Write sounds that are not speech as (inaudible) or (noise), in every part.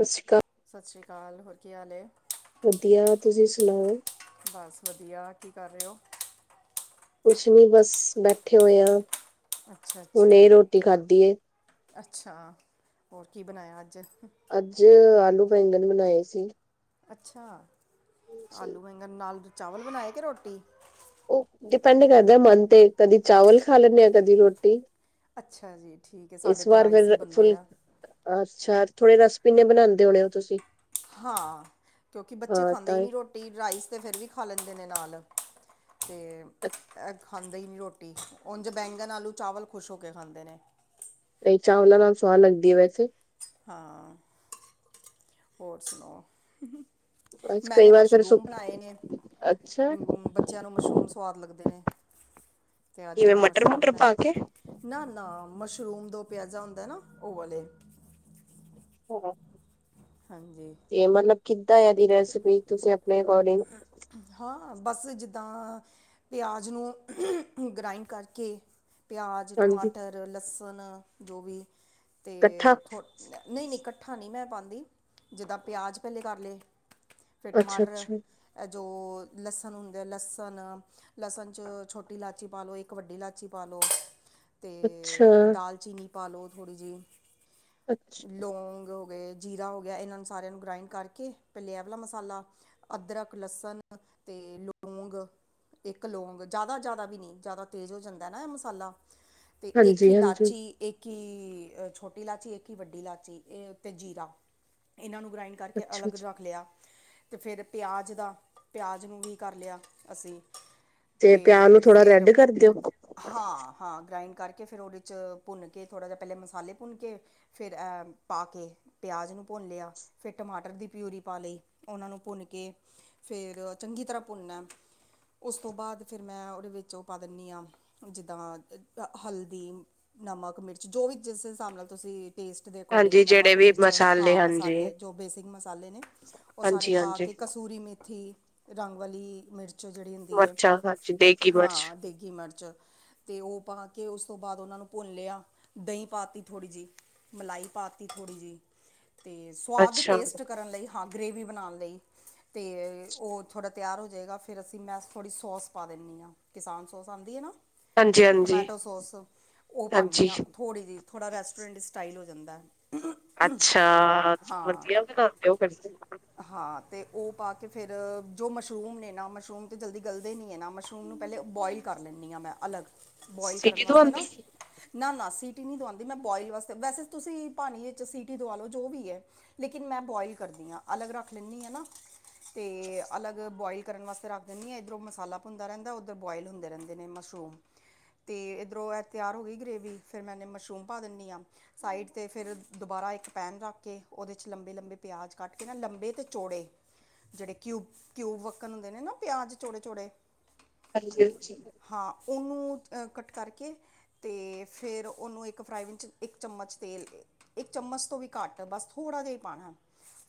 ਸਸਸੀ ਕਾਲ। ਸਤਿ ਸ਼੍ਰੀ ਅਕਾਲ ਹੋਰ ਕੀ ਹਾਲ ਏ। ਵਧੀਆ ਤੁਸੀਂ ਸੁਨਾਓ? ਬਸ ਵਧੀਆ ਕੀ ਕਰ ਰੇ ੳ। ਕੁਛ ਨੀ ਬਸ ਬੈਠੇ ਹੋਏ ਆ ਅੱਛਾ ਹੁਨ ਅੱਛਾ ਈ ਰੋਟੀ ਖਾਧੀ ਏ। ਅੱਛਾ ਹੋਰ ਕੀ ਬਨਾਇਆ ਅੱਜ। ਅੱਜ ਆਲੂ ਬੈਂਗਣ ਬਨਾਏ ਸੀ। ਅੱਛਾ ਆਲੂ ਬੈਗਨ ਨਾਲ ਚਾਵਲ ਬਨਾਏ ਕੇ ਰੋਟੀ। ਉ ਡਿਪੈਂਡ ਕਰਦੈ ਮਨ ਤੇ, ਕਦੀ ਚਾਵਲ ਖਾ ਲੈਨੇ ਆ ਕਦੀ ਰੋਟੀ। ਅੱਛਾ ਜੀ ਠੀਕ ਏ, ਸਾਡੇ ਇਸ ਤਾਂ ਵਾਰ ਰਾਈਸ ਈ ਫਿਰ ਬਨਦੇ ਫੁਲ ਆ। ਅੱਛਾ ਥੋੜੇ ਰਸਪਿਨੇ ਬਨਾਦੇ ਹੋਣੇ ੳ ਤੁਸੀਂ। ਹਾਂ ਕਿਉਂਕਿ ਬੱਚੇ ਹਾਂ ਖਾਂਦੇ ਤਾਂ ਈ ਨੀ ਰੋਟੀ ਰਾਈਸ ਤੇ ਫੇਰ ਵੀ ਖਾ ਲੈਂਦੇ ਨੇ ਨਾਲ। ਤੇ ਖਾਂਦੇ ਈ ਨੀ ਰੋਟੀ ਉਂਝ ਬੈਂਗਨ, ਆਲੂ, ਚਾਵਲ ਖੁਸ਼ ਹੋ ਕੇ ਖਾਂਦੇ ਨੇ। ਦਹੀਂ ਚਾਵਲਾ ਨਾਲ ਸਵਾਦ ਲਗਦੀ ਵੈਸੇ। ਹਾਂ -ਹੋਰ ਸੁਨਾਓ? ਬਸ ਕਈ ਮੈਂਨੇ ਵਾਰ ਫਿਰ ਸੁ ਮਸ਼ਰੂਮ ਬਨਾਏ ਨੇ। ਅੱਛਾ ਅਮ ਬ ਬੱਚਿਆਂ ਨੂੰ ਮਸ਼ਰੂਮ ਸਵਾਦ ਲੱਗਦੇ ਨੇ, ਤੇ ਅੱਜ ਕਿਵੇਂ ਮੈਂ ਮਟਰ ਮਸ਼ਰੂਮ ਮੁਟਰ ਬਨਾ ਪਾ ਕੇ ਨਾ-ਨਾ ਮਸ਼ਰੂਮ ਦੋ ਪਿਆਜ਼ਾ ਹੁੰਦੈ ਏ ਨਾ ਉ ਵਾਲੇ। (inaudible) ਹਾਂਜੀ। ਏ ਮਤਲਬ ਕਿੱਦਾਂ ਏਦੀ ਰੈਸਪੀ ਤੁਸੀਂ ਅਪਨੇ ਅਕੋਰਡਿੰਗ ਹਾਂ ਬਸ ਜਿੱਦਾਂ ਪਿਆਜ਼ ਨੂੰ ਗ੍ਰਇੰਡ ਕਰਕੇ ਪਿਆਜ਼, ਹਾਂਜੀ ਟਮਾਟਰ, ਲਸਣ ਜੋ ਵੀ ਇਕੱਠਾ ਤੇ ਥੋ ਨਈ-ਨਈ ਕੱਠਾ ਨਈ ਮੈਂ ਪਾਂਦੀ ਜਿੱਦਾਂ ਪਿਆਜ਼ ਪੈਲੇ ਕਰ ਲਏ। ਫੇਰ ਅੱਛਾ ਟਮਾਟਰ, ਅੱਛਾ ਐ ਜੋ ਲਸਣ ਹੁੰਦੇ ਆ ਲਸਣ ਲਸਣ ਚ ਛੋਟੀ ਲਾਚੀ ਪਾ ਲੋ ਏਕ ਵੱਡੀ ਲਾਚੀ ਪਾ ਲੋ। ਅੱਛਾ, ਅਤੇ ਦਾਲਚੀਨੀ ਪਾਲੋ, ਥੋੜੀ ਜਿਹੀ। ਅੱਛ ਲੌਂਗ ਹੋ ਗਏ, ਜੀਰਾ ਹੋਗਿਆ ਇਹਨਾਂ ਨੂੰ ਸਾਰਿਆਂ ਨੂੰ ਗ੍ਰਾਇੰਡ ਕਰਕੇ, ਪੈਲੇ ਆ ਵਾਲਾ ਮਸਾਲਾ, ਅਦਰਕ ਲਸਣ ਤੇ ਲੌਂਗ ਇੱਕ ਲੌਗ ਜ਼ਿਆਦਾ-ਜ਼ਿਆਦਾ ਵੀ ਨਹੀ, ਜ਼ਿਆਦਾ ਤੇਜ਼ ਹੋ ਜਾਂਦਾ ਨਾ ਐ ਮਸਾਲਾ। ਅਤੇ ਇੱਕ ਹੀ ਹਾਂਜੀ-ਹਾਂਜੀ, ਲਾਚੀ ਇੱਕ ਹੀ ਛੋਟੀ ਲਾਚੀ, ਇੱਕ ਹੀ ਵੱਡੀ ਲਾਚੀ, ਤੇ ਜ਼ੀਰਾ ਇਹਨਾਂ ਨੂੰ ਗ੍ਰਾਇੰਡ ਕਰਕੇ ਅੱਛਾ ਅਲੱਗ ਜੀ ਰੱਖ ਲਿਆ, ਤੇ ਫਿਰ ਪਿਆਜ਼ ਅੱਜ ਦਾ ਪਿਆਜ ਨੂੰ ਵੀ ਕਰ ਲਿਆ, ਅਸੀ ਪਿਆਜ ਨੂੰ ਤੇ ਥੋੜਾ ਫਿਰ, ਰੈਡ ਕਰਦੇ ਓ? ਹਾਂ। ਹਾਂ ਗ੍ਰਾਇੰਡ ਕਰਕੇ, ਫਿਰ ਉਹਦੇ 'ਚ ਭੁੰਨਕੇ ਥੋੜ੍ਹਾ ਜਿਹਾ ਪਹਿਲਾ ਮਸਾਲੇ ਭੁੰਨਕੇ ਫਿਰ ਐ, ਪਾਕੇ ਪਿਆਜ ਨੂੰ ਭੁੰਨ ਲਿਆ। ਫਿਰ ਟਮਾਟਰ ਦੀ ਪਿਊਰੀ ਪਾ ਲਈ, ਉਹਨਾਂ ਨੂੰ ਭੁੰਨ ਕੇ ਫੇਰ ਚੰਗੀ ਤਰ੍ਹਾਂ ਭੁੰਨਨਾ। ਉਸ ਤੋਂ ਬਾਅਦ ਫਿਰ ਮੈਂ ਉਹਦੇ ਵਿੱਚ ਉਹ ਪਾ ਦਿੰਨੀ ਆ, ਜਿੱਦਾਂ ਹਲਦੀ ਨਮਕ, ਮਿਰਚ ਜੋ ਵੀ ਜਿਸ ਹਿਸਾਬ ਨਾਲ ਤੁਸੀਂ ਟੇਸਟ ਦੇ ਅਕੋਰਡਿੰਗ ਹਾਂਜੀ ਜਿਹੜੇ ਨਮਕ, ਵੀ ਮਿਰਚ ਮਸਾਲੇ ਹਾਂ ਹਾਂਜੀ, ਮਸਾਲੇ ਜੋ ਬੇਸਿਕ ਮਸਾਲੇ ਨੇ ਉਹ ਸਾਰੇ ਹਾਂਜੀ-ਹਾਂਜੀ। ਪਾਕੇ ਕਸਤੂਰੀ ਮੇਥੀ ਰੰਗ ਵਾਲੀ, ਮਿਰਚ ਜਿਹੜੀ ਹੁੰਦੀ ਐ, ਮਰਚਾਂ ਹਾਂਜੀ ਦੇਗੀ ਮਿਰਚ, ਹਾਂ, ਦੇਗੀ ਮਰਚ। ਤੇ ਉਹ ਪਾਕੇ, ਉਸ ਤੋਂ ਬਾਅਦ ਉਹਨਾਂ ਨੂੰ ਭੁੰਨ ਲਿਆ। ਦਹੀਂ ਪਾਤੀ ਥੋੜ੍ਹੀ ਜਿਹੀ, ਮਲਾਈ ਪਾਤੀ ਥੋੜ੍ਹੀ ਜਹੀ। ਤੇ, ਸੁਵਾਦ ਅੱਛਾ ਟੇਸਟ ਕਰਨ ਲਈ ਹਾਂ ਗ੍ਰੇਵੀ ਬਣਾਣ ਲਈ। ਤੇ ਉਹ ਥੋੜ੍ਹਾ ਤਿਆਰ ਹੋਜੇਗਾ, ਫਿਰ ਅਸੀਂ ਮੈਂ ਥੋੜ੍ਹੀ ਸੌਸ ਪਾ ਦੇੰਨੀ ਆ। ਕਿਸਾਨ ਸੌਸ ਆਂਦੀ ਏ ਨਾ, ਹਾਂਜੀ-ਹਾਂਜੀ। ਟਮੈਟੋ ਸੋਸ ਉਹ ਪਾਂਨੀ ਹਾਂਜੀ, ਆ ਹਾਂਜੀ ਥੋੜ੍ਹੀ ਜਹੀ। ਥੋੜ੍ਹਾ ਰੈਸਟੋਰੈਂਟ ਸਟਾਈਲ ਹੋ ਜਾਂਦੈ। ਅੱਛਾ, ਵਧੀਆ ਬਣਾਂਦੇ ਓ ਫਿ ਹਾ ਤੇ ਉਹ ਪਾਕੇ ਫਿਰ ਜੋ ਮਸ਼ਰੂਮ ਨੇ ਨਾ, ਮਸ਼ਰੂਮ ਤਾਂ ਜਲਦੀ ਗਲਦੇ ਨਹੀਂ ਏ ਨਾ, ਮਸ਼ਰੂਮ ਨੂੰ ਪਹਿਲੇ ਬੌਇਲ ਕਰ ਲੈਂਨੀ ਆ ਮੈ ਅਲੱਗ, ਬੌਇਲ ਸਿਟੀ ਕਰਨ ਤੋਂ ਵਾਸਤੇ ਆਂਦੀ ਨਾ ਸੀ? ਨਾ-ਨਾ ਸੀਟੀ ਨਹੀਂ ਦਵਾਂਦੀ ਮੈਂ ਬੌਇਲ ਵਾਸਤੇ, ਵੈਸੇ ਤੁਸੀਂ ਪਾਣੀ ਵਿੱਚ ਸੀਟੀ ਦਵਾਲੋ ਜੋ ਵੀ ਐ। ਲੇਕਿਨ ਮੈਂ ਬੋਆਇਲ ਕਰਨੀ ਆ, ਅਲੱਗ ਰੱਖ ਲੈਂਨੀ ਆ ਨਾ। ਤੇ ਅਲੱਗ ਬੌਇਲ ਕਰਨ ਵਾਸਤੇ ਰੱਖ ਦਿੰਨੀ ਆ, ਇੱਧਰੋਂ ਮਸਾਲਾ ਭੁੰਨਦਾ ਰਹਿੰਦਾ, ਉੱਧਰ ਬੌਇਲ ਹੁੰਦੇ ਰਹਿੰਦੇ ਨੇ ਮਸ਼ਰੂਮ। ਤੇ ਇੱਧਰੋਂ ਇਹ ਤਿਆਰ ਹੋ ਗਈ ਗਰੇਵੀ, ਫਿਰ ਮੈਂ ਇਹਨੇ ਮਸ਼ਰੂਮ ਪਾ ਦਿੰਨੀ ਆ। ਸਾਈਡ ਤੇ ਫਿਰ ਦੁਬਾਰਾ ਇੱਕ ਪੈਨ ਰੱਖਕੇ, ਉਹਦੇ 'ਚ ਲੰਬੇ-ਲੰਬੇ ਪਿਆਜ਼ ਕੱਟਕੇ ਨਾ ਲੰਬੇ ਤੇ ਚੌੜੇ ਜਿਹੜੇ ਕਿਊਬ, ਕਿਯਊਬ ਵੱਕਣ ਹੁੰਦੇ ਨੇ ਨਾ ਪਿਆਜ਼ ਚੋੜੇ-ਚੋੜੇ। ਹਾਂਜੀ-ਹਾਂਜੀ। ਹਾ, ਉਹਨੂੰ ਕੱਟ ਕਰਕੇ ਤੇ ਫਿਰ ਉਹਨੂੰ ਇੱਕ ਫ੍ਰਾਈ ਵੀਨ'ਚ ਇੱਕ ਚਮਚ ਤੇਲ ਇੱਕ ਚਮਚ ਤੋਂ ਵੀ ਘੱਟ, ਬਸ ਥੋੜ੍ਹਾ ਜਿਹਾ ਹੀ ਪਾਣਾ,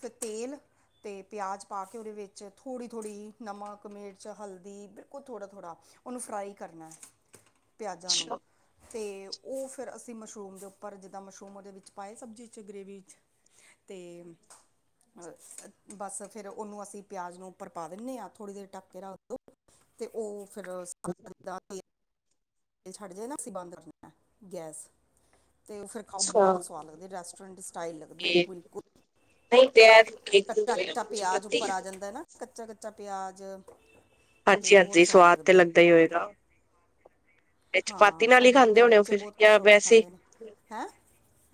ਫਿਰ ਤੇਲ ਤੇ ਪਿਆਜ਼ ਪਾਕੇ ਉਹਦੇ ਵਿੱਚ ਥੋੜੀ-ਥੋੜੀ ਨਮਕ, ਮਿਰਚ, ਹਲਦੀ ਬਿਲਕੁਲ ਥੋੜਾ-ਥੋੜਾ ਉਹਨੂੰ ਫ੍ਰਾਈ ਕਰਨਾ, ਪਿਆਜ਼ਾਂ ਨੂੰ। ਅੱਛਾ-ਅੱਛਾ। ਤੇ, ਉਹ ਫਿਰ ਅਸੀਂ ਮਸ਼ਰੂਮ ਦੇ ਉੱਪਰ ਜਿੱਦਾਂ ਮਸ਼ਰੂਮ ਉਹਦੇ ਵਿੱਚ ਪਾਏ ਸਬਜ਼ੀ'ਚ, ਗ੍ਰੇਵੀ 'ਚ ਤੇ ਬਸ ਫਿਰ ਉਹਨੂੰ ਅਸੀਂ ਪਿਆਜ਼ ਨੂੰ ਉੱਪਰ ਪਾ ਦਿੰਨੇ ਆ, ਥੋੜ੍ਹੀ ਦੇਰ ਢੱਕਕੇ ਕੇ ਰੱਖਦੋ। ਤੇ ਉਹ ਫਿਰ ਛੱਡ ਜਏ ਨਾ ਅਸੀਂ ਬੰਦ ਰੱਖਣਆ ਗੈਸ ਤੇ ਫਿਰ। ਖਾਓ ਬਹੁਤ ਸਵਾਦ ਲੱਗਦੀ ਹੈ ਰੈਸਟੋਰੈਂਟ ਸਟਾਈਲ ਲੱਗਦੀ ਏ ਤੇ ਬਿਲਕੁਲ। ਨਈ ਤੇ ਕੱਚਾ ਕੱਚਾ ਪਿਆਜ ਉੱਪਰ ਆ ਜਾਂਦਾ ਨਾ ਕੱਚਾ ਕੱਚਾ ਪਿਆਜ। ਹਾਂਜੀ-ਹਾਂਜੀ ਸਵਾਦ ਤੇ ਲੱਗਦਾ ਹੀ ਹੋਏਗਾ। ਤੇ ਚਪਾਤੀ ਹਾਂ ਨਾਲ ਹੀ ਸਾਡੇ ਖਾਂਦੇ ਮੇਰੇ ਹੋਣੇ ਉਹ ਬੱਚੇ ਫਿਰ ਬਹੁਤ ਜਾਂ ਖੁਸ਼ ਹੋ ਕੇ ਵੈਸੇ। ਖਾਂਦੇ ਨੇ ਹੈ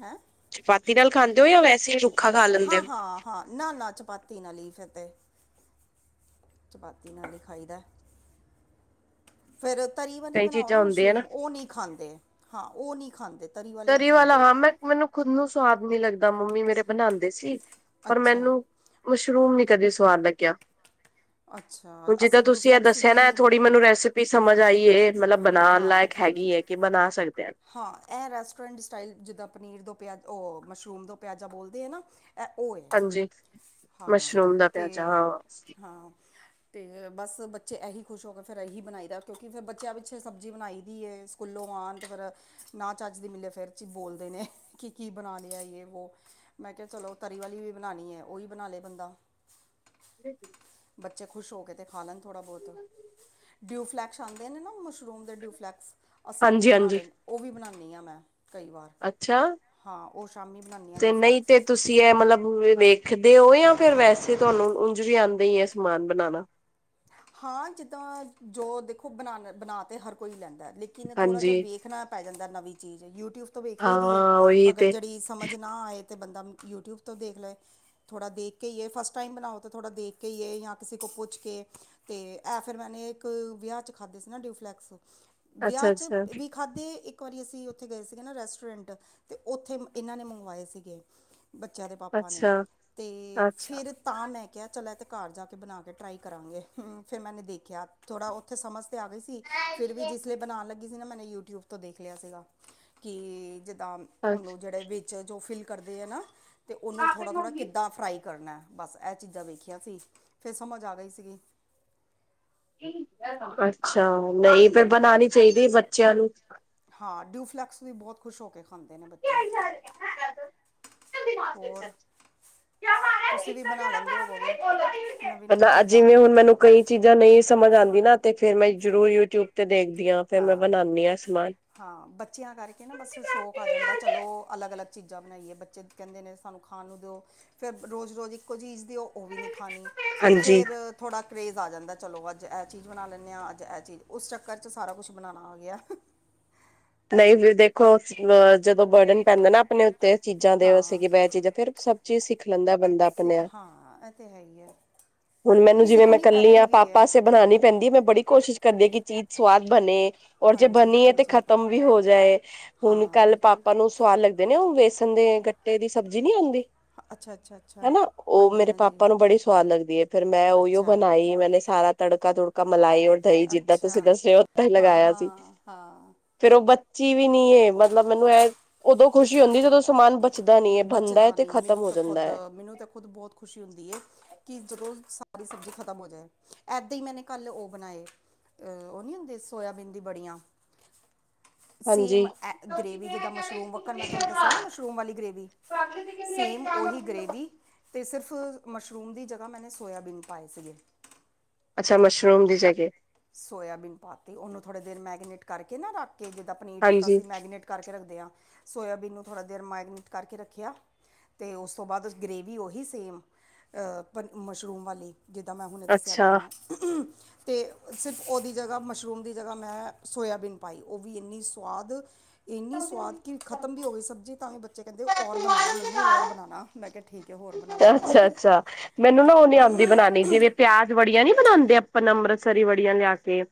ਹੈ ਚਪਾਤੀ ਨਾਲ ਖਾਂਦੇ ਹੋ ਜਾਂ ਵੈਸੇ। ਖਾ ਲੈਂਦੇ ਹਾਂ ਹੋ? ਹਾਂ ਹਾਂ ਨਾ ਨਾ ਚਪਾਤੀ ਨਾਲ ਈ ਫਿਰ ਤੇ। ਚਪਾਤੀ ਨਾਲ ਈ ਖਾਈ ਦਾ। ਫਿਰ ਤਰੀ ਵਾਲੀ ਕਈ ਬਣਾਓ ਨਾ ਚੀਜ਼ਾਂ ਹੁੰਦੀਆਂ ਮਸ਼ਰੂਮ ਉਹ ਨੀ ਖਾਂਦੇ ਹਾਂ ਉਹ ਨੀ ਖਾਂਦੇ। ਵਾਲੇ ਨਹੀਂ ਤਰੀ ਵਾਲਾ ਖਾਂਦੇ ਹਾਂ ਮੈਂ ਮੈਨੂੰ ਖੁਦ ਨੂੰ ਸਵਾਦ ਨੀ ਲੱਗਦਾ ਮੰਮੀ ਮੇਰੇ ਬਣਾਉਂਦੇ ਸੀ। ਪਰ ਅੱਛਾ ਮੈਨੂੰ ਮਸ਼ਰੂਮ ਨੀ ਕਦੇ ਸਵਾਦ ਲਗਿਆ। ਅੱਛਾ। ਹੁਣ ਜਿੱਦਾਂ ਅਸੀਂ ਤੁਸੀਂ ਇਹ ਡੂਫਲੈਕਸ ਦੱਸਿਆ ਵੀ ਨਾ ਇਹ ਥੋੜ੍ਹੀ ਮੈਨੂੰ ਰੈਸਪੀ ਸਮਝ ਆਈਏ ਮਤਲਬ ਬਣਾਣ ਹਾਂ ਲਾਇਕ ਹੈਗੀ। ਕੇ ਬਣਾ ਸਕਦੇ ਹਾਂ। ਹਾਂ ਇਹ ਰੈਸਟੋਰੈਂਟ ਸਟਾਈਲ ਜਿੱਦਾਂ ਪਨੀਰ ਦੋ ਪਿਆ ਉਹ ਮਸ਼ਰੂਮ ਤੋਂ ਪਿਆਜ਼ਾ ਬੋਲਦੇ ਐ ਨਾ। ਐ ਉਹ ਇਹ ਹਾਂਜੀ ਹਾਂ ਮਸ਼ਰੂਮ ਦਾ ਪਿਆਜ਼ਾ ਤੇ ਹਾਂ। ਹਾਂ। ਤੇ ਬਸ ਬੱਚੇ ਇਹੀ ਖੁਸ਼ ਹੋ ਫਿਰ ਇਹੀ ਬਣਾਈ ਦਾ ਕਿਉਂਕਿ ਫਿਰ ਬੱਚਿਆਂ ਪਿੱਛੇ ਸਬਜ਼ੀ ਬਣਾਈ ਦੀ ਏ। ਸਕੂੱਲੋਂ ਆਣ ਤੇ ਫਿਰ ਨਾ ਚੱਜ ਦੀ ਮਿਲਲੇ ਫਿਰੀ ਬੋਲਦੇ ਨੇ ਕਿ ਕੀ ਬਣਾ ਲਿਆ ਇ ਏ ਵੋ। ਮੈਂ ਕਿਹਾ ਚਲੋ ਤਰੀ ਵਾਲੀ ਵੀ ਬਣਾਣੀ ਐ ਉਹੀ ਬਣਾ ਲਏ ਬੰਦਾ। (inaudible) ਬੱਚੇ ਖੁਸ਼ ਹੋ ਕੇ ਤੇ ਖਾ ਲੈਣ ਥੋੜ੍ਹਾ ਬਹੁਤ ਡਿਊ ਫਲੈਕਸ ਆਂਦੇ ਨੇ ਨਾ ਮੁਸ਼। ਮਸ਼ਰੂਮ ਦੇ ਡਿਊਫਲੈਕਸ ਅਸੀਂ ਉਹ ਵੀ ਹਾਂਜੀ ਬਣਾ ਹਾਂਜੀ ਲੈ ਉਹ ਵੀ ਬਣਾਨੀ ਆ ਮੈਂ। ਕਈ ਵਾਰ ਅੱਛਾ। ਹਾਂ ਉਹ ਸ਼ਾਮੀ ਬਣਾਉਂਦੀ ਹਾਂ ਡਿਫਲੈਕਸ। ਕਿ ਐ ਮਤਲਬ ਫਿਰ ਦੇਖਦੇ ਓ ਜਾਂ ਫਿਰ ਵੈਸੇ ਤੁਹਾਨੂੰ ਉਂਝ ਵੀ ਆਉਂਦਾ ਹੀ ਹੈ ਸਾਮਾਨ ਬਣਾਉਣਾ। ਹਾਂ ਜਿੱਦਾਂ ਜੋ ਦੇਖੋ ਬਣਾ ਬਣਾ ਤਾਂ ਹਰ ਕੋਈ ਲੈਂਦਾ। ਲੇਕਿਨ ਥੋੜ੍ਹਾ ਜਿਹਾ ਹਾਂਜੀ ਵੇਖਣਾ ਪੈੈ ਜਾਂਦਾ ਨਵੀਂ ਚੀਜ਼ ਯੂਟਿਊਬ ਤੋਂ ਵੇਖ ਹਾਂ ਲਈ ਦੀ ਹੈ ਉਹੀ ਅਗਰ ਤੇ ਜਿਹੜੀ। ਸਮਝ ਨਾ ਆਏ ਅਤੇ ਬੰਦਾ ਯੂਟਿਊਬ ਦੇਖ ਲਏ। ਥੋੜਾ ਦੇਖ ਕੇ ਹੀ ਏ ਫਸਟ ਟਾਈਮ ਬਣਾਓ ਤਾਂ ਥੋੜਾ ਦੇਖ ਕੇ ਜਾਂ ਕਿਸੇ ਕੋ ਪੁੱਛ ਕੇ। ਅਤੇ ਇਹ ਫਿਰ ਮੈਂਨੇ ਇੱਕ ਵਿਆਹ 'ਚ ਖਾਧੇ ਸੀ ਨਾ ਡਿਊਫਲੈਕਸ। ਵਿਆਹ ਅੱਛਾ 'ਚ ਅੱਛਾ। ਵੀ ਖਾਧੇ। ਇੱਕ ਵਾਰੀ ਅਸੀਂ ਉੱਥੇ ਗਏ ਸੀਗੇ ਰੈਸਟੋਰੈਂਟ ਤੇ ਉੱਥੇ ਇਹਨਾਂ ਨੇ ਮੰਗਵਾਏ ਸੀਗੇ। ਬੱਚਿਆਂ ਦੇ ਪਾਪਾ ਨੇ ਅੱਛਾ, ਤੇ ਅੱਛਾ, ਫਿਰ। ਤਾਂ ਮੈਂ ਕਿਹਾ ਚੱਲ ਇਹ ਤਾਂ ਘਰ ਜਾ ਕੇ ਬਣਾ ਕੇ ਟਰਾਈ ਕਰਾਂਗੇ ਫਿਰ ਮੈਨੇ ਦੇਖਿਆ। ਥੋੜ੍ਹਾ ਉੱਥੇ ਸਮਝ ਤੇ ਆ ਗਈ ਸੀ ਫਿਰ ਵੀ ਜਿਸ ਦਿਨ ਬਣਾਣ ਲੱਗੇ। ਸੀ ਨਾ ਮੈਨੇ ਯੂਟਿਊਬ ਤੋਂ ਦੇਖ ਲਿਆ ਸੀਗਾ ਕਿ ਜਿੱਦਾਂ ਅੱਛ ਉਹਨੂੰ ਜਿਹੜੇ ਵੀ। ਵਿੱਚ ਜੋ ਫਿਲ ਕਰਦੇ ਐ ਨਾ ਅਤੇ ਉਹਨੂੰ ਥੋੜ੍ਹਾ-ਥੋੜ੍ਹਾ ਕਿੱਦਾਂ ਫਰਾਈ ਕਰਨਾ। ਬਸ ਇਹ ਚੀਜ਼ਾਂ ਵੇਖੀਆਂ ਸੀ ਫਿਰ ਸਮਝ ਆ ਗਈ ਸੀਗੀ। ਅੱਛਾ ਨਹੀਂ ਫੇਰ ਬਣਾਣੀ ਚਾਹੀਦੀ ਐ ਬੱਚਿਆਂ ਨੂੰ। ਹਾਂ ਡਿਊਫਲੈਕਸ ਵੀ ਬਹੁਤ ਖੁਸ਼ ਹੋ ਕੇ ਖਾਂਦੇ ਨੇ ਬੱਚੇ। ਹੋਰ (unintelligible) ਤੁਸੀਂ ਵੀ ਬਣਾ ਲੈਂਦੇ ਹੋਵੋਗੇ ਨਵੀਂ ਨਵੀਂ ਚੀਜ਼ਾਂ ਜਿਵੇਂ ਹੁਣ ਮੈਨੂੰ। ਕਈ ਚੀਜ਼ਾਂ ਨਹੀਂ ਸਮਝ ਆਂਦੀ ਨਾ ਤੇ ਫੇਰ ਮੈਂ ਜ਼ਰੂਰ ਯੂਟਿਊਬ। ਤੇ ਦੇਖਦੀ ਹਾਂ ਫੇਰ ਮੈਂ ਬਨਾਨੀ ਆ ਸਮਾਨ। ਹਾਂ ਬੱਚਿਆਂ ਕਰਕੇ ਨਾ ਬਸ ਸ਼ੌਕ ਆ ਜਾਂਦਾ ਚਲੋ ਅਲੱਗ ਅਲੱਗ। ਚੀਜ਼ਾਂ ਬਣਾਈਏ ਬੱਚੇ ਕਹਿੰਦੇ ਨੇ ਸਾਨੂੰ ਖਾਣ ਨੂੰ ਦਿਓ ਫਿਰ ਰੋਜ਼ ਰੋਜ਼ ਇੱਕੋ ਚੀਜ਼ ਦਿਓ। ਉਹ ਵੀ ਨੀ ਖਾਣੀ ਹਾਂਜੀ, ਫਿਰ ਥੋੜ੍ਹਾ ਕਰੇਜ਼ ਆ ਜਾਂਦਾ ਚਲੋ ਅੱਜ ਇਹ ਚੀਜ਼ ਬਣਾ ਲੈਂਨੇ ਹਾਂ ਅੱਜ ਚੀਜ਼ ਉਸ ਚੱਕਰ ਸਾਰਾ ਕੁਛ ਬਣਾਣਾ ਆ ਗਿਆ। ਨਹੀਂ ਜੀ ਦੇਖੋ ਅ ਜਦੋਂ ਬਰਡਨ ਪੈਂਦਾ ਨਾ ਆਪਣੇ ਉੱਤੇ ਚੀਜ਼ਾਂ ਦੇ ਵਸੇ ਹਾਂ ਬਹਿ ਫੇਰ ਸਭ ਚੀਜ਼ ਸਿੱਖ ਲੈਂਦਾ ਬੰਦਾ ਆਪਣੇ ਆਪ ਸਿੱਖ ਹਾਂ ਇਹ ਤੇ ਹੈ ਈ ਆ। ਹੁਣ ਮੈਨੂੰ ਜਿਵੇਂ ਮੈ ਕੱਲੀ ਆ ਪਾਪਾ ਆਸਤੇ ਹੂੰ ਬਣਾਣੀ ਪੈਂਦੀ ਐ ਮੈਂ ਬੜੀ ਕੋਸ਼ਿਸ਼ ਕਰਦੀ ਆ ਕਿ ਚੀਜ਼ ਸਵਾਦ ਬਣੇ ਔਰ ਜੇ ਹਾਂਜੀ ਬਣੀਏ ਤੇ ਖ ਹਾਂਜੀ ਖਤਮ ਵੀ ਹੋ ਜਾਏ ਹੁਣ ਹਾਂ ਕੱਲ ਬਿਲਕੁਲ ਪਾਪਾ ਨੂੰ ਸੁਵਾਦ ਲੱਗੀ ਜਿਹੜੇ ਉਹ ਵੇਸਣ ਦੇ ਗੱਟੇ ਦੀ ਸਬਜ਼ੀ ਨੀ ਆਂਦੀ। ਅੱਛਾ, ਅੱਛਾ ਅੱਛਾ ਹਨਾ ਉਹ ਹਾਂਜੀ ਮੇਰੇ ਹਾਂਜੀ ਪਾਪਾ ਨੂੰ ਬੜੀ ਸਵਾਦ ਲੱਗਦੀ ਐ ਫੇਰ ਮੈਂ ਉਹੀਓ ਅੱਛਾ ਬਣਾਈ ਮੈਨੇ ਸਾਰਾ ਤੜਕਾ-ਤੁੜਕਾ ਮਲਾਈ ਔਰ ਦਹੀਂ ਜਿੱਦਾਂ ਅੱਛਾ ਤੁਸੀਂ ਦੱਸੇ ਰਹੇ ਓ ਉਦਾਂ ਹੀ ਹਾਂ ਲਗਾਇਆ ਸੀ। ਹਾਂ ਹਾਂ ਫੇਰ ਉਹ ਬੱਚੀ ਵੀ ਨੀ ਏ ਮਤਲਬ ਮੈਨੂੰ ਇਹ ਉਦੋਂ ਖੁਸ਼ੀ ਹੁੰਦੀ ਜਦੋਂ ਸਮਾਨ ਬਚਦਾ ਨੀ ਹੈ ਬਣਦਾ ਹੈ ਬਚਦਾ ਤੇ ਨਹੀਂ ਖ਼ਤਮ ਮੈਨੂੰ ਹੋ ਤਾਂ ਜਾਂਦਾ ਖੁਦ ਹੈ ਮੈਨੂੰ ਤਾਂ ਖੁਦ ਬੌਤ ਖੁਸ਼ੀ ਹੁੰਦੀ ਹੈ ਕਿ ਜਦੋਂ ਸਾਰੀ ਸਬਜ਼ੀ ਖਤਮ ਹੋ ਜਾਏ ਐਦਾਂ ਹੀ ਮੈਨੇ ਕੱਲ ਉਹ ਬਣਾਏ ਅਹ ਉਹ ਨਹੀਂ ਹੁੰਦੇ ਸੋਆਬੀਨ ਦੀ ਬੜੀਆਂ ਸੇਮ ਹਾਂਜੀ ਐ ਗ੍ਰੇਵੀ ਜਿੱਦਾਂ ਮਸ਼ਰੂਮ ਵੱਕਣ ਮੈਂ ਤੁਹਾਨੂੰ ਦੱਸਿਆ ਨਾ ਮਸ਼ਰੂਮ ਵਾਲੀ ਗ੍ਰੇਵੀ ਸੇਮ ਉਹੀ (unintelligible) ਗ੍ਰੇਵੀ ਤੇ ਸਿਫ ਮਸ਼ਰੂਮ ਦੀ ਜਗ੍ਹਾ ਮੈਨੇ ਸੋਇਆਬੀਨ ਪਾਏ ਸੀਗੇ। ਅੱਛਾ ਮਸ਼ਰੂਮ ਦੀ ਜਗਏ। ਸੋਇਆਬੀਨ ਪਾਤੀ ਉਹਨੂੰ ਥੋੜ੍ਹੇ ਦੇਰ ਮੈਗੀਨੇਟ ਕਰਕੇ ਨਾ ਰੱਖ ਕੇ ਜਿੱਦਾਂ ਪਨੀਰ ਟਿੱਕਾ ਹਾਂਜੀ ਸੀ ਮੈਗੀਨੇਟ ਕਰਕੇ ਰੱਖਦੇ ਆ, ਸੋਇਆਬੀਨ ਨੂੰ ਥੋੜ੍ਹਾ ਦੇਰ ਮੈਗਨੇਟ ਕਰਕੇ ਰੱਖਿਆ। ਤੇ ਉਸ ਤੋਂ ਬਾਅਦ ਗ੍ਰੇਵੀ ਉਹੀ ਸੇਮ, ਅ ਪਰ ਮਸ਼ਰੂਮ ਵਾਲੀ ਜਿਦਾਂ ਮੈਂ ਹੁਣੇ ਦੱਸਿਆ ਅੱਛਾ ਤੁਹਾਨੂੰ ਤੇ ਸਿਰਫ ਉਹਦੀ ਜਗ੍ਹਾਂ ਮਸ਼ਰੂਮ ਦੀ ਜ੍ਹਗਾ ਮੈਂ ਸੋਇਆਬੀਨ ਪਾਈ ਉਹਬੀ ਇਨੀ ਸੋਆਦ ਇੰਨੀ ਸਆਦ ਕਿ ਖਤਮ ਵੀ ਹੋ ਗਈ ਸਬਜ਼ੀ ਤਾਂ ਵੀ ਬੱਚੇ ਕਹਿੰਦੇ ਔਰ ਬਣਾਣਾ ਮੰਮੀ ਔਰ ਬਣਾਣਾ। ਮੈਂ ਕਿਹਾ ਠੀਕ ਏ ਹੋਰ ਬਣਾ ਲਾਂਗੀ। ਅੱਛਾ ਮੈਨੂੰ ਨਾ ਉਹ ਨੀ ਆਦੀ ਬਣਾਣੀ ਜਿਵੇਂ ਪਿਆਜ ਵੜੀਆਂ ਨੀ ਬਣਾਦੇ ਆਪਾ ਅੰਮ੍ਰਿਤਸਰੀ ਵੜੀਆਂ ਲਿਆ ਕੇ।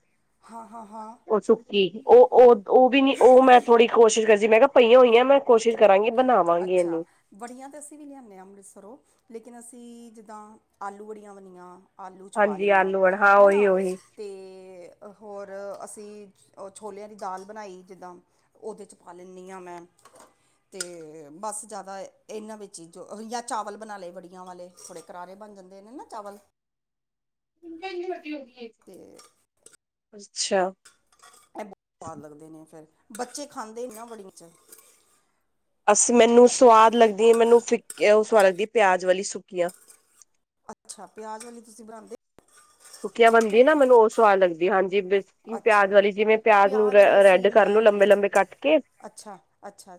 ਹਾਂ, ਹਾਂ, ਹਾਂ। ਚੁੱਕੀ ਉਹ ਵੀ ਨੀ ਉਹ ਮੈਂ ਥੋੜ੍ਹੀ ਕੋਸ਼ਿਸ਼ ਕਰ ਜ ਮੈਂ ਕਿਹਾ ਪਈਆਂ ਹੋਈਆਂ ਮੈਂ ਕੋਸ਼ਿਸ਼ ਕਰਾਂਗੀ ਬਣਾਵਾਂਗੀ ਅੱਛਾ ਇਹਨੂੰ। ਵੜੀਆਂ ਤਾਂ ਅਸੀਂ ਵੀ ਲਿਆਦੇ ਹਾਂ ਅੰਮ੍ਰਿਤਸਰੋਂ, ਲੇਕਿਨ ਅਸੀਂ, ਜਿੱਦਾਂ ਆਲੂ ਬੜੀਆਂ ਬਣੀਆਂ ਆਲੂ ਚ ਹਾਂਜੀ ਪਾਲੀਆਂ ਆਲੂ ਵੜ ਹਾਂ ਹੈ ਨਾ। ਉਹੀ-ਉਹੀ ਤੇ, ਹੋਰ ਅਸੀਂ ਛੋਲਿਆਂ ਦੀ ਦਾਲ ਬਣਾਈ ਜਿੱਦਾਂ। ਉਦੇ 'ਚ ਪਾ ਲੈਨੀ ਆ ਮੈਂ ਤੇ ਬਸ ਜਿਆਦਾ ਇਨਾਂ ਵਿਚ ਹੀ ਪਾਲੇ ਜਾਂ ਚਾਵਲ ਬਣਾ ਲਏ ਬੜੀਆਂ ਵਾਲੇ ਥੋੜੇ ਕਰਾਰੇ ਬਣ ਜਾਂਦੇ ਨੇ ਨਾ ਚਾਵਲ ਕਿੰਨੀ ਵੱਡੀ ਹੋਗੀ ਏ ਤੇ ਅੱਛਾ ਇਹ ਬਹੁਤ ਸਵਾਦ ਲੱਗਦੇ ਨੇ ਫਿਰ ਬੱਚੇ ਖਾਂਦੇ ਨੇ ਨਾ ਬੜੀ ਚ ਅਸ ਮੈਨੂੰ ਸਵਾਦ ਲੱਗਦੀ ਮੈਨੂੰ ਫਿ ਉਹ ਸਵਾਦ ਲਗਦੀ ਪਿਆਜ ਵਾਲੀ ਸੁੱਕੀਆਂ ਅੱਛਾ ਪਿਆਜ ਵਾਲੀ ਤੁਸੀਂ ਬਣਾਂਦੇ। ਸੁੱਕੀਆਂ ਬਣਦੀ ਨਾ ਮੈਨੂੰ ਉਹ ਸਵਾਦ ਲੱਗਦੀ, ਹਾਂਜੀ ਬਿਲ- ਅੱਛਾ ਪਿਆਜ ਵਾਲੀ ਜਿਵੇਂ ਪਿਆਜ ਨੂੰ ਪਿਆਜ਼ ਵਾਲੀ ਰੈਡ ਅਸੀਂ ਕਰ ਮੈਂ ਲੋ ਲੰਬੇ- ਨਹੀਂ ਲੰਬੇ ਕੱਟ ਕੇ। ਅੱਛਾ, ਅੱਛਾ-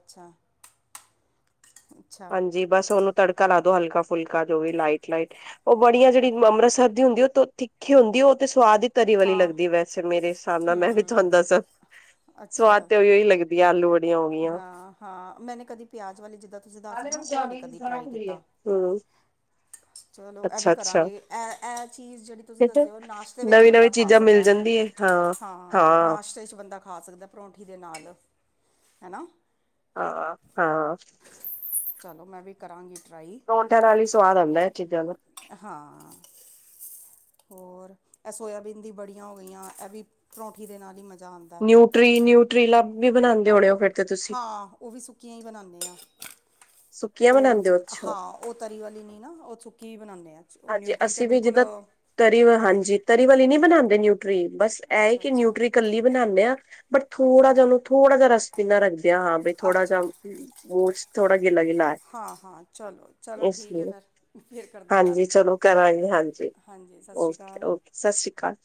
ਅੱਛਾ। ਹਾਂਜੀ ਬਸ ਉਹਨੂੰ ਤੜਕਾ ਲਾ ਦੋ ਹਲਕਾ- ਫੁਲਕਾ ਜੋ ਵੀ ਲਾਈਟ- ਲਾਈਟ। ਉਹ ਬੜੀਆਂ ਜਿਹੜੀ ਅੰਮ੍ਰਿਤਸਰ ਦੀ ਹੁੰਦੀ ਏ ਉਹ ਤਿੱਖੀ ਹੁੰਦੀ ਏ ਉਹ ਤੇ ਸਵਾਦ ਈ। ਤਰੀ ਵਾਲੀ ਹਾਂ ਲੱਗਦੀ ਵੈਸੇ ਮੇਰੇ ਹਿਸਾਬ ਨਾਲ ਮੈਂ ਹੂੰ ਵੀ ਤੁਹਾਨੂੰ ਦੱਸਾਂ। ਅੱਛਾ ਸਵਾਦ ਤੇ ਉ ਹੀ ਓ ਲੱਗਦੀ ਆਲੂ ਬੜੀਆਂ ਹੋ ਗਈਆਂ। ਹਾਂ ਹਾਂ ਮੈਨੇ ਕਦੀ ਪਿਆਜ਼ ਵਾਲੇ ਜਿੱਦਾਂ ਤੁਸੀਂ ਦੱਸ ਹੇਓ ਨਾ ਉਹ ਨਹੀਂ ਕਦੀ ਟਰਾਈ ਕੀਤਾ। ਹੂੰ। ਚਲੋ ਇਹ ਵੀ ਕਰਾਂਗੇ ਇਹ- ਇਹ ਚੀਜ਼ ਜਿਹੜੀ ਮਤੁਸੀਂ ਦੱਸਿਓ ਨਾਸ਼ਤੇ ਵਿੱਚ ਨਵੀਂ ਬੰਦਾ ਨਵੀਂ ਖਾ ਚੀਜ਼ਾਂ ਮਿਲ ਸਕਦਾ ਹੈ। ਜਾਂਦੀ ਹਾਂ ਹਾਂ ਨਾਸ਼ਤੇ 'ਚ ਬੰਦਾ ਖਾ ਸਕਦਾ ਪਰੌਂਠੀ ਦੇ ਨਾਲ, ਹੈਨਾ। ਹਾਂ- ਹਾਂ। ਚਲੋ ਮੈਂ ਵੀ ਕਰਾਂਗੀ ਟਰਾਈ। ਪਰੋਠਿਆਂ ਨਾਲ ਹੀ ਸਵਾਦ ਆਉਂਦਾ ਇਹ ਚੀਜ਼ਾਂ ਦਾ। ਹਾਂ। ਹੋਰ, ਇਹ ਸੋਇਆਬੀਨ ਦੀ ਬੜੀਆਂ ਹੋ ਗਈਆਂ, ਇਹ ਵੀ ਪਰੌਂਠੀ ਦੇ ਨਾਲ ਹੀ ਮਜ਼ਾ ਆਂਦਾ। ਨਿਊਟਰੀ ਨਿਊਟਰੀਲਾ ਵੀ ਬਣਾਉਂਦੇ ਹੋਣੇ ਹੋ ਫੇਰ? ਹਾਂ ਉਹ ਵੀ ਸੁੱਕੀਆਂ ਹੀ ਬਣਾਉਂਦੇ ਹਾ ਸੁੱਕੀਆਂ ਉਹ ਬਣਾਉਂਦੇ ਹੋ ਜਿੱਦ ਅੱਛਾ ਹਾਂ। ਉਹ ਤਰੀ ਵਾਲੀ ਨਹੀਂ ਨਾ, ਉਹ ਸੁੱਕੀ ਹੀ ਬਣਾਉਂਦੇ ਹਾਂ ਉਹ ਹਾਂਜੀ ਨਿਊਟਰੀ ਤਾਂ ਅਸੀਂ ਵੀ ਬਿਲਕੁਲ ਜਿੱਦਾਂ, ਤਰੀ ਹਾਂਜੀ ਤਰੀ ਵਾਲੀ ਨੀ ਬਣਾਉਂਦੇ ਨ- ਓਟਰੀ ਬਸ ਇਹ ਅੱਛਾ ਕਿ ਅੱਛਾ ਨਿਊਟਰੀ ਕੱਲੀ ਬਣਾਂਦੇ ਆ। ਬਟ ਥੋੜਾ ਅੱਛਾ ਜਿਹਾ ਉਹਨੂੰ ਥੋੜਾ ਜਹਾ ਰਸ ਪੀਨਾ ਰੱਖਦੇਿਆਂ ਹਾਂ ਬਈ ਥੋੜਾ ਅੱਛਾ ਜਿਹਾ। ਬੂਝ ਥੋੜਾ ਗਿੱਲਾ- ਗਿਲਾ ਹੈ, ਹਾਂ ਹਾਂ ਚਲੋ ਚਲੋ ਇਸ ਠੀਕ ਹੈ ਲਈ, ਫਿਰ ਫਿਰ ਕਰਦੇ ਗੱਲ ਹਾਂਜੀ ਉਹ ਕਰਾਂਗੇ ਹਾਂਜੀ ਹਾਂਜੀ ਸਤਿ ਸ਼੍ਰੀ ਓਕੇ- ਅਕਾਲ ਓਕੇ ਸਤਿ੍ਰੀ ਅਕਾਲ।